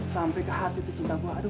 sampai ke hati tuh cinta gua aduh